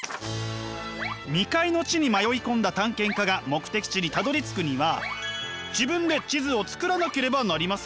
未開の地に迷い込んだ探検家が目的地にたどりつくには自分で地図を作らなければなりません。